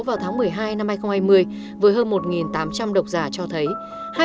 vào tháng một mươi hai năm hai nghìn hai mươi với hơn một tám trăm linh độc giả cho thấy